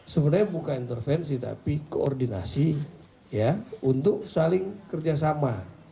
sebenarnya bukan intervensi tapi koordinasi ya untuk saling kerjasama